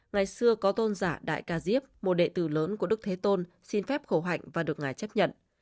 ngày xưa có tôn giả đại ca diếp một đệ tử lớn của đức thế tôn xin phép khẩu hạnh và được ngài chấp nhận